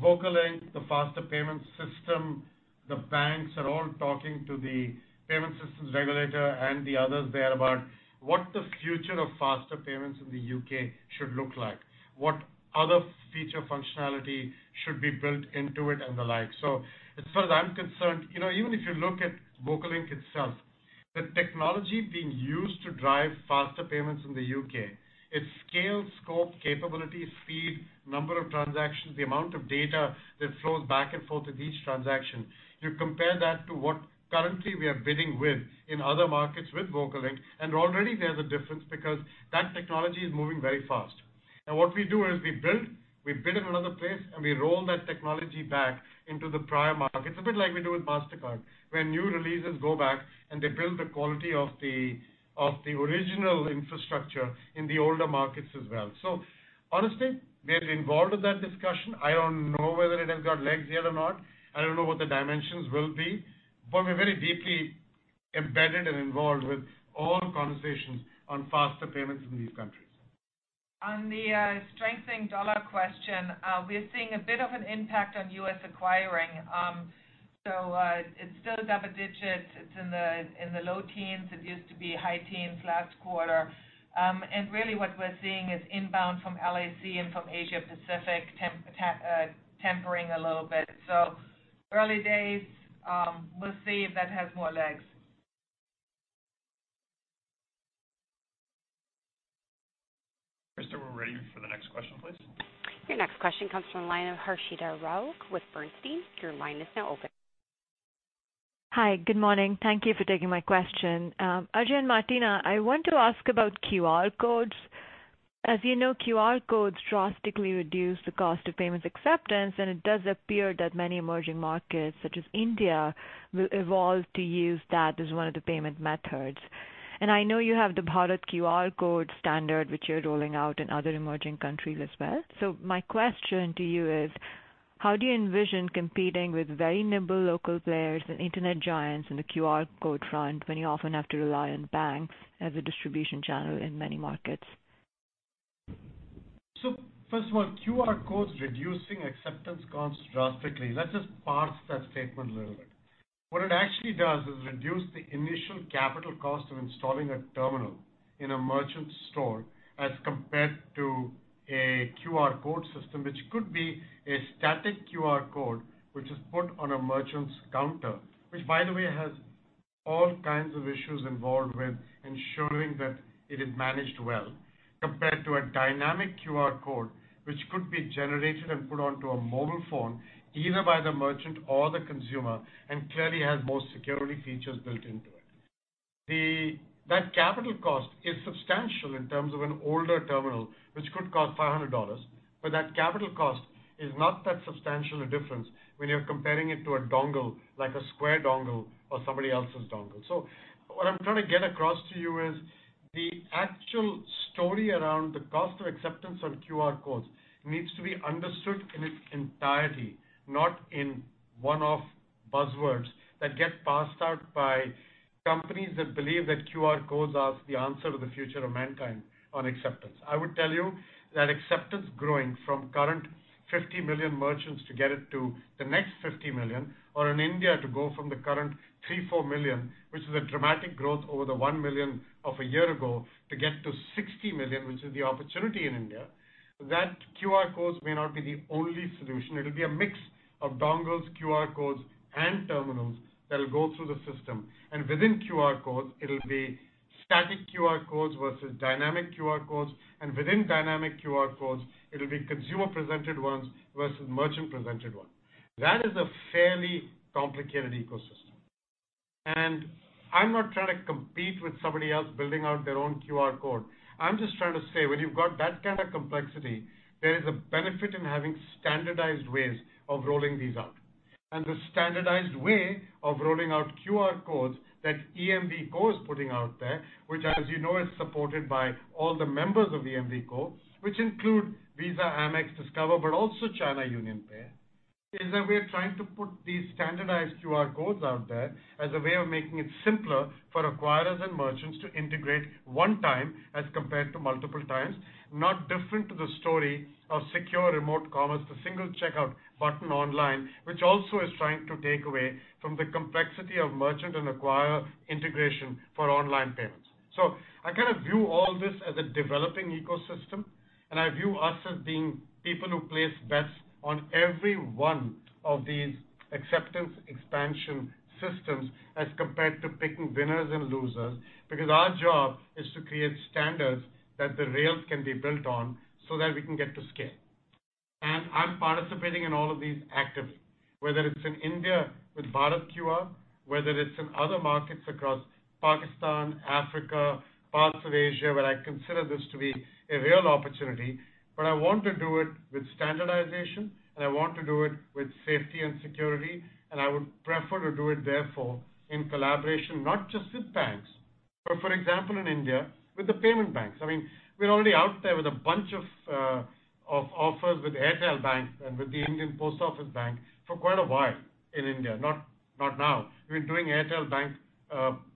VocaLink, the faster payment system, the banks are all talking to the Payment Systems Regulator and the others there about what the future of faster payments in the U.K. should look like. What other feature functionality should be built into it and the like. As far as I'm concerned, even if you look at VocaLink itself, the technology being used to drive faster payments in the U.K., its scale, scope, capabilities, speed, number of transactions, the amount of data that flows back and forth with each transaction. You compare that to what currently we are bidding with in other markets with VocaLink, and already there's a difference because that technology is moving very fast. Now what we do is we build in another place, and we roll that technology back into the prior markets. A bit like we do with Mastercard, where new releases go back, and they build the quality of the original infrastructure in the older markets as well. Honestly, we are involved with that discussion. I don't know whether it has got legs yet or not. I don't know what the dimensions will be. We're very deeply embedded and involved with all conversations on faster payments in these countries. On the strengthening dollar question, we're seeing a bit of an impact on U.S. acquiring. It's still double digits. It's in the low teens. It used to be high teens last quarter. Really what we're seeing is inbound from LAC and from Asia Pacific tempering a little bit. Early days. We'll see if that has more legs. Krista, we're ready for the next question, please. Your next question comes from the line of Harshita Rawat with Bernstein. Your line is now open. Hi. Good morning. Thank you for taking my question. Ajay and Martina, I want to ask about QR Codes. As you know, QR Codes drastically reduce the cost of payments acceptance, it does appear that many emerging markets, such as India, will evolve to use that as one of the payment methods. I know you have the BharatQR standard, which you're rolling out in other emerging countries as well. My question to you is, how do you envision competing with very nimble local players and internet giants in the QR Code front when you often have to rely on banks as a distribution channel in many markets? First of all, QR Codes reducing acceptance costs drastically. Let's just parse that statement a little bit. What it actually does is reduce the initial capital cost of installing a terminal in a merchant store as compared to a QR Code system, which could be a static QR Code, which is put on a merchant's counter which, by the way, has all kinds of issues involved with ensuring that it is managed well. Compared to a dynamic QR Code, which could be generated and put onto a mobile phone, either by the merchant or the consumer, and clearly has more security features built into it. That capital cost is substantial in terms of an older terminal, which could cost $500, but that capital cost is not that substantial a difference when you're comparing it to a dongle, like a Square dongle or somebody else's dongle. What I'm trying to get across to you is the actual story around the cost of acceptance of QR Codes needs to be understood in its entirety, not in one-off buzzwords that get passed out by companies that believe that QR Codes are the answer to the future of mankind on acceptance. I would tell you that acceptance growing from current 50 million merchants to get it to the next 50 million, or in India to go from the current 3 million-4 million, which is a dramatic growth over the 1 million of a year ago, to get to 60 million, which is the opportunity in India. That QR Codes may not be the only solution. It'll be a mix of dongles, QR Codes, and terminals that will go through the system. Within QR Codes, it'll be static QR Codes versus dynamic QR Codes, and within dynamic QR Codes, it'll be consumer-presented ones versus merchant-presented one. That is a fairly complicated ecosystem. I'm not trying to compete with somebody else building out their own QR Code. I'm just trying to say, when you've got that kind of complexity, there is a benefit in having standardized ways of rolling these out. The standardized way of rolling out QR Codes that EMVCo is putting out there, which as you know, is supported by all the members of EMVCo, which include Visa, Amex, Discover, but also China UnionPay, is that we are trying to put these standardized QR Codes out there as a way of making it simpler for acquirers and merchants to integrate one time as compared to multiple times. Not different to the story of Secure Remote Commerce, the single checkout button online, which also is trying to take away from the complexity of merchant and acquirer integration for online payments. I kind of view all this as a developing ecosystem, and I view us as being people who place bets on every one of these acceptance expansion systems as compared to picking winners and losers, because our job is to create standards that the rails can be built on so that we can get to scale. I'm participating in all of these actively, whether it's in India with BharatQR, whether it's in other markets across Pakistan, Africa, parts of Asia, where I consider this to be a real opportunity. I want to do it with standardization, and I want to do it with safety and security, and I would prefer to do it therefore in collaboration, not just with banks, but for example, in India with the payment banks. I mean, we're already out there with a bunch of offers with Airtel Bank and with the India Post Payments Bank for quite a while in India. Not now. We're doing Airtel Bank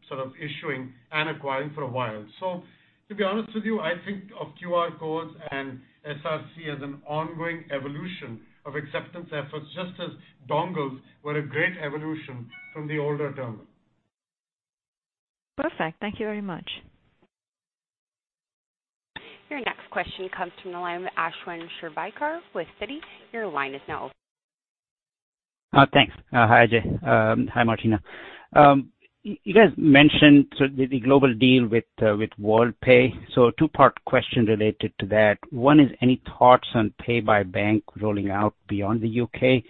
sort of issuing and acquiring for a while. To be honest with you, I think of QR codes and SRC as an ongoing evolution of acceptance efforts, just as dongles were a great evolution from the older terminal. Perfect. Thank you very much. Your next question comes from the line of Ashwin Shirvaikar with Citi. Your line is now open. Thanks. Hi, Ajay. Hi, Martina. You guys mentioned the global deal with Worldpay. Two-part question related to that. One is any thoughts on Pay by Bank app rolling out beyond the U.K.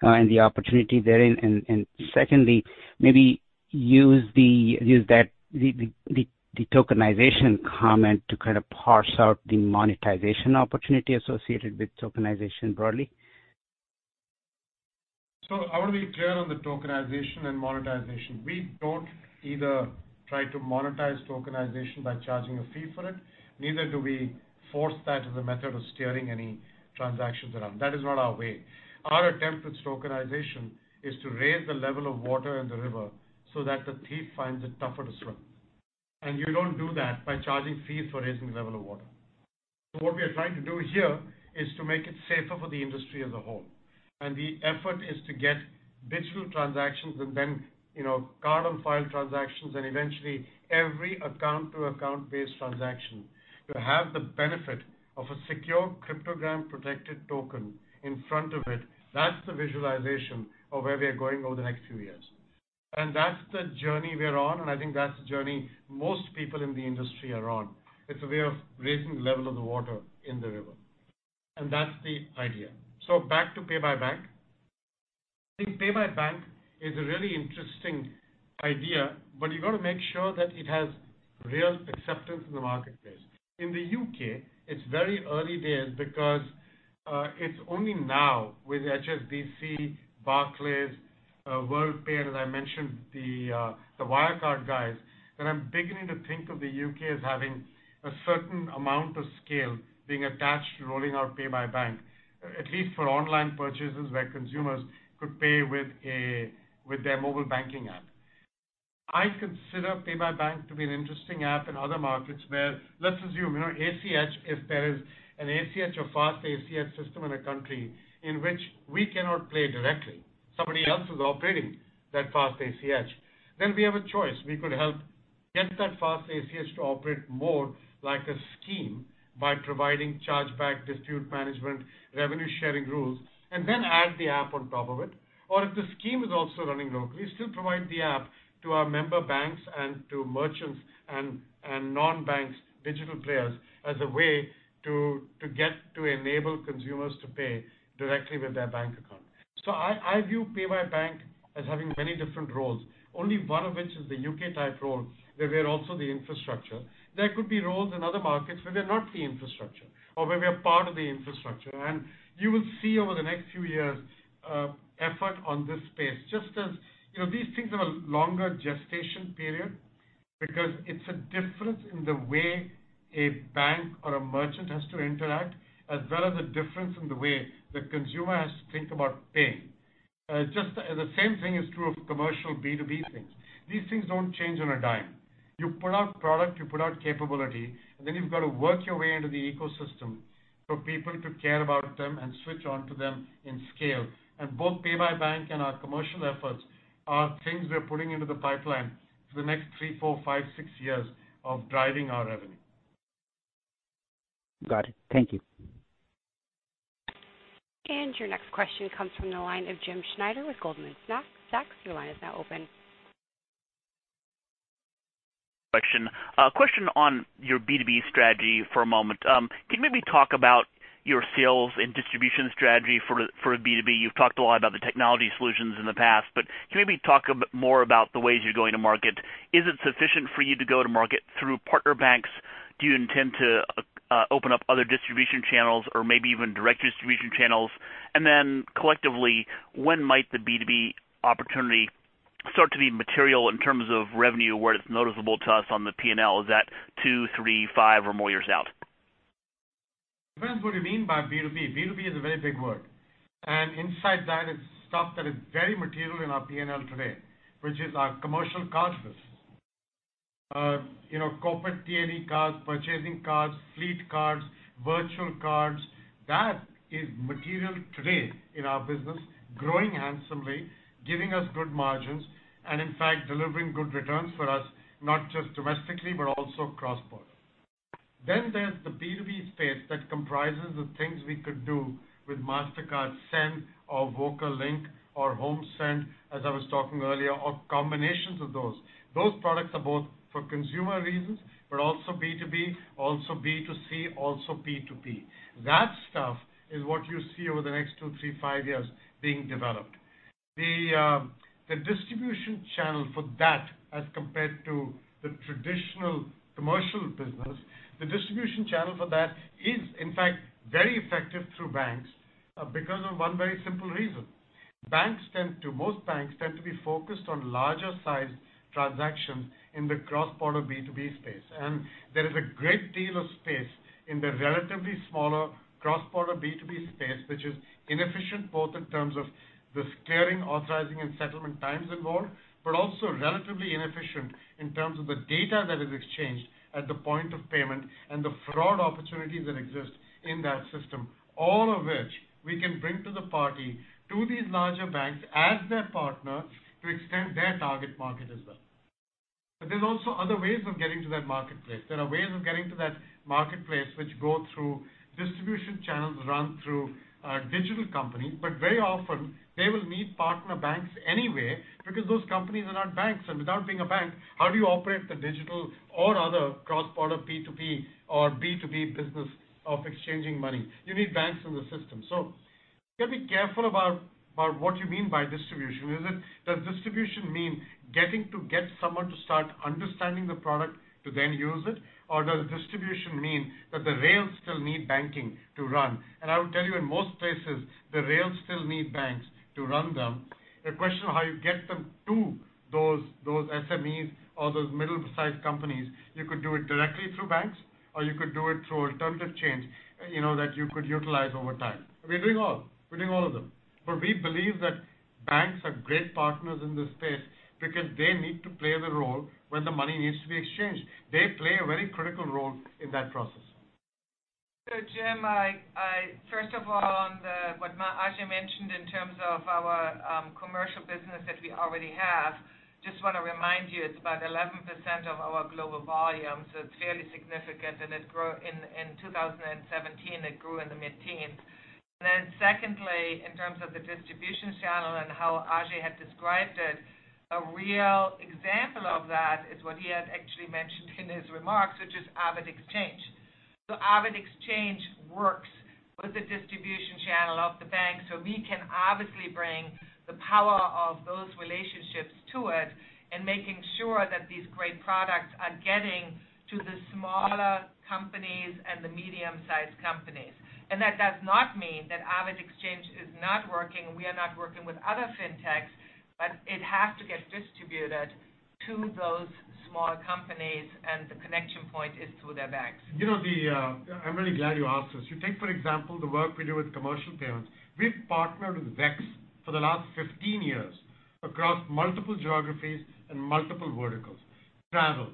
and the opportunity therein? Secondly, maybe use the tokenization comment to kind of parse out the monetization opportunity associated with tokenization broadly. I want to be clear on the tokenization and monetization. We don't either try to monetize tokenization by charging a fee for it. Neither do we force that as a method of steering any transactions around. That is not our way. Our attempt with tokenization is to raise the level of water in the river so that the thief finds it tougher to swim. You don't do that by charging fees for raising the level of water. What we are trying to do here is to make it safer for the industry as a whole. The effort is to get digital transactions and then card on file transactions and eventually every account-to-account-based transaction to have the benefit of a secure cryptogram protected token in front of it. That's the visualization of where we are going over the next few years. That's the journey we are on, and I think that's the journey most people in the industry are on. It's a way of raising the level of the water in the river. That's the idea. Back to Pay by Bank app. I think Pay by Bank app is a really interesting idea, but you've got to make sure that it has real acceptance in the marketplace. In the U.K., it's very early days because it's only now with HSBC, Barclays, Worldpay, and I mentioned the Wirecard guys, that I'm beginning to think of the U.K. as having a certain amount of scale being attached to rolling out Pay by Bank app, at least for online purchases where consumers could pay with their mobile banking app. I consider Pay by Bank app to be an interesting app in other markets where, let's assume ACH, if there is an ACH or fast ACH system in a country in which we cannot play directly, somebody else is operating that fast ACH, then we have a choice. We could help get that fast ACH to operate more like a scheme by providing chargeback, dispute management, revenue sharing rules, and then add the app on top of it. Or if the scheme is also running locally, still provide the app to our member banks and to merchants and non-banks, digital players, as a way to get to enable consumers to pay directly with their bank account. I view Pay by Bank app as having many different roles, only one of which is the U.K. type role, where we're also the infrastructure. There could be roles in other markets where we are not the infrastructure or where we are part of the infrastructure. You will see over the next few years, effort on this space. These things have a longer gestation period because it's a difference in the way a bank or a merchant has to interact, as well as a difference in the way the consumer has to think about paying. The same thing is true of commercial B2B things. These things don't change on a dime. You put out product, you put out capability, and then you've got to work your way into the ecosystem for people to care about them and switch onto them in scale. Both Pay by Bank and our commercial efforts are things we are putting into the pipeline for the next three, four, five, six years of driving our revenue. Got it. Thank you. Your next question comes from the line of James Schneider with Goldman Sachs. Your line is now open. Question. A question on your B2B strategy for a moment. Can you maybe talk about your sales and distribution strategy for B2B? You've talked a lot about the technology solutions in the past, but can you maybe talk a bit more about the ways you're going to market? Is it sufficient for you to go to market through partner banks? Do you intend to open up other distribution channels or maybe even direct distribution channels? Then collectively, when might the B2B opportunity start to be material in terms of revenue where it's noticeable to us on the P&L? Is that two, three, five, or more years out? Depends what you mean by B2B. B2B is a very big word. Inside that is stuff that is very material in our P&L today, which is our commercial cards business. Corporate T&E cards, purchasing cards, fleet cards, virtual cards. That is material today in our business, growing handsomely, giving us good margins, and in fact, delivering good returns for us, not just domestically, but also cross-border. There's the B2B space that comprises the things we could do with Mastercard Send or VocaLink or HomeSend, as I was talking earlier, or combinations of those. Those products are both for consumer reasons, but also B2B, also B2C, also P2P. That stuff is what you see over the next two, three, five years being developed. The distribution channel for that as compared to the traditional commercial business, the distribution channel for that is, in fact, very effective through banks because of one very simple reason. Most banks tend to be focused on larger size transactions in the cross-border B2B space. There is a great deal of space in the relatively smaller cross-border B2B space, which is inefficient, both in terms of the clearing, authorizing, and settlement times involved, but also relatively inefficient in terms of the data that is exchanged at the point of payment and the fraud opportunities that exist in that system. All of which we can bring to the party to these larger banks as their partner to extend their target market as well. There's also other ways of getting to that marketplace. There are ways of getting to that marketplace which go through distribution channels run through a digital company, but very often they will need partner banks anyway because those companies are not banks. Without being a bank, how do you operate the digital or other cross-border P2P or B2B business of exchanging money? You need banks in the system. You got to be careful about what you mean by distribution. Does distribution mean getting to get someone to start understanding the product to then use it? Does distribution mean that the rails still need banking to run? I will tell you, in most places, the rails still need banks to run them. The question of how you get them to those SMEs or those middle size companies, you could do it directly through banks, or you could do it through alternative chains that you could utilize over time. We're doing all. We're doing all of them. We believe that banks are great partners in this space because they need to play the role when the money needs to be exchanged. They play a very critical role in that process. Jim, first of all, on what Ajay mentioned in terms of our commercial business that we already have, just want to remind you, it's about 11% of our global volume, it's fairly significant and in 2017, it grew in the mid-teens. Secondly, in terms of the distribution channel and how Ajay had described it, a real example of that is what he had actually mentioned in his remarks, which is AvidXchange. AvidXchange works with the distribution channel of the bank, we can obviously bring the power of those relationships to it and making sure that these great products are getting to the smaller companies and the medium-sized companies. That does not mean that AvidXchange is not working and we are not working with other fintechs, but it has to get distributed to those small companies, and the connection point is through their banks. I'm really glad you asked this. You take, for example, the work we do with commercial payments. We've partnered with WEX for the last 15 years across multiple geographies and multiple verticals. Travel,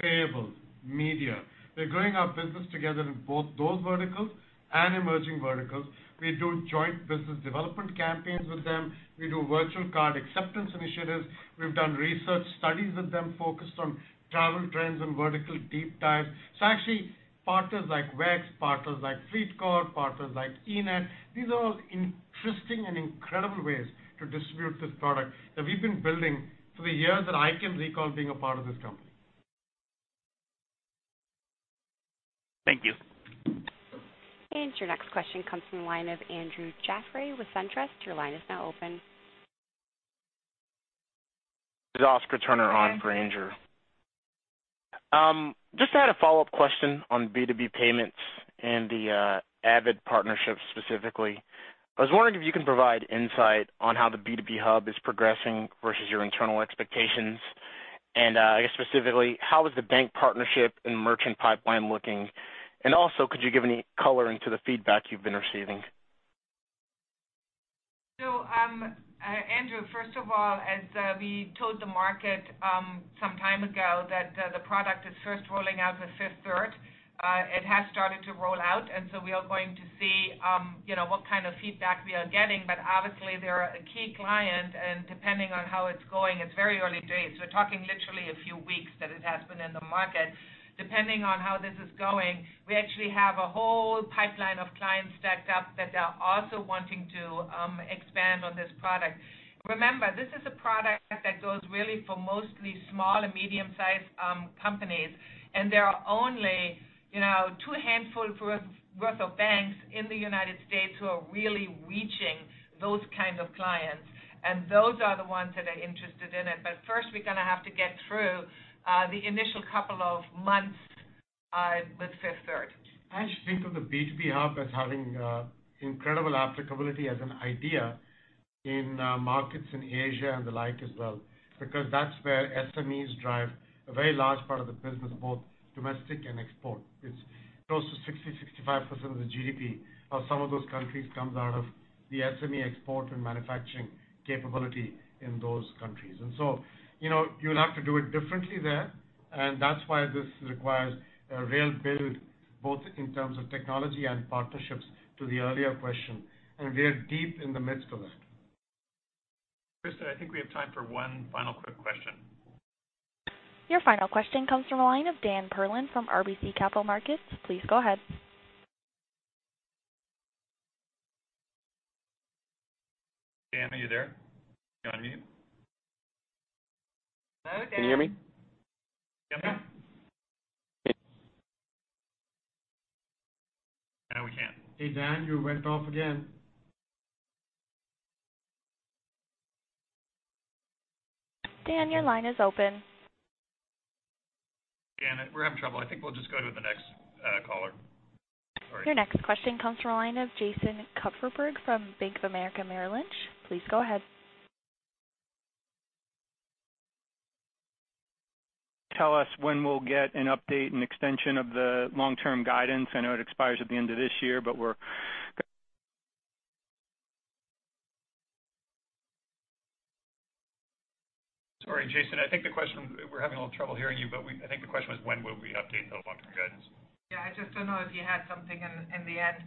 payable, media. We're growing our business together in both those verticals and emerging verticals. We do joint business development campaigns with them. We do virtual card acceptance initiatives. We've done research studies with them focused on travel trends and vertical deep dives. Actually, partners like WEX, partners like FleetCor, partners like eNett, these are all interesting and incredible ways to distribute this product that we've been building for the years that I can recall being a part of this company. Thank you. Your next question comes from the line of Andrew Jeffrey with SunTrust. Your line is now open. This is Oscar Turner on for Andrew. Just had a follow-up question on B2B payments and the Avid partnership specifically. I was wondering if you can provide insight on how the B2B Hub is progressing versus your internal expectations, and I guess specifically, how is the bank partnership and merchant pipeline looking? Also, could you give any color into the feedback you've been receiving? Andrew, first of all, as we told the market some time ago that the product is first rolling out with Fifth Third, it has started to roll out, and so we are going to see what kind of feedback we are getting. Obviously they're a key client and depending on how it's going, it's very early days. We're talking literally a few weeks that it has been in the market. Depending on how this is going, we actually have a whole pipeline of clients stacked up that are also wanting to expand on this product. Remember, this is a product that goes really for mostly small and medium-sized companies, and there are only two handful worth of banks in the U.S. who are really reaching those kinds of clients, and those are the ones that are interested in it. First, we're going to have to get through the initial couple of months with Fifth Third. I just think of the B2B Hub as having incredible applicability as an idea in markets in Asia and the like as well because that's where SMEs drive a very large part of the business, both domestic and export. It's close to 60%-65% of the GDP of some of those countries comes out of the SME export and manufacturing capability in those countries. You'll have to do it differently there, and that's why this requires a real build, both in terms of technology and partnerships to the earlier question, and we are deep in the midst of it. Krista, I think we have time for one final quick question. Your final question comes from the line of Daniel Perlin from RBC Capital Markets. Please go ahead. Dan, are you there? You on mute? Hello, Dan. Can you hear me? Yep. No, we can't. Hey, Dan, you went off again. Dan, your line is open. Dan, we're having trouble. I think we'll just go to the next caller. Sorry. Your next question comes from a line of Jason Kupferberg from Bank of America Merrill Lynch. Please go ahead. Tell us when we'll get an update and extension of the long-term guidance. I know it expires at the end of this year, but we're Sorry, Jason. We're having a little trouble hearing you, but I think the question was when will we update the long-term guidance? Yeah, I just don't know if you had something in the end.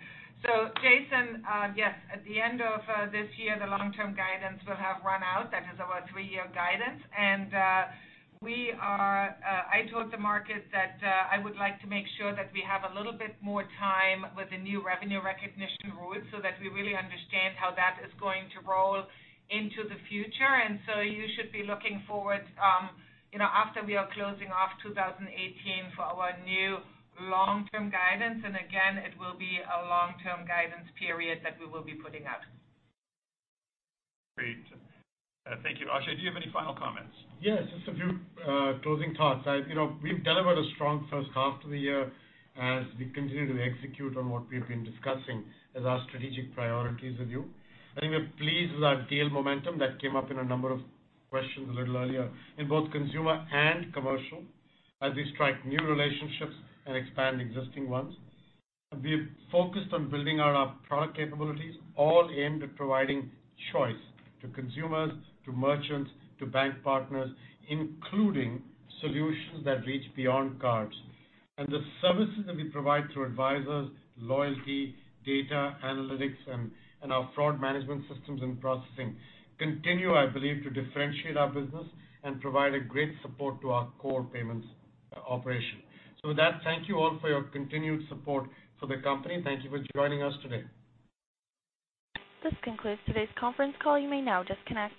Jason, yes. At the end of this year, the long-term guidance will have run out. That is our three-year guidance. I told the market that I would like to make sure that we have a little bit more time with the new revenue recognition rules so that we really understand how that is going to roll into the future. You should be looking forward after we are closing off 2018 for our new long-term guidance. Again, it will be a long-term guidance period that we will be putting out. Great. Thank you. Ajay, do you have any final comments? Yes, just a few closing thoughts. We've delivered a strong first half to the year as we continue to execute on what we've been discussing as our strategic priorities with you. We're pleased with our deal momentum that came up in a number of questions a little earlier in both consumer and commercial as we strike new relationships and expand existing ones. We're focused on building out our product capabilities all aimed at providing choice to consumers, to merchants, to bank partners, including solutions that reach beyond cards. The services that we provide through advisors, loyalty, data analytics, and our fraud management systems and processing continue, I believe, to differentiate our business and provide a great support to our core payments operation. With that, thank you all for your continued support for the company. Thank you for joining us today. This concludes today's conference call. You may now disconnect.